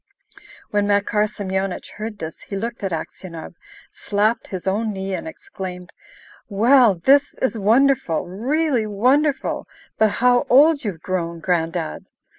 When Makar Semyonich heard this, he looked at Aksionov, slapped his own knee, and exclaimed, "Well, this is wonderful! Really wonderful! But how old you've grown, Gran'dad!"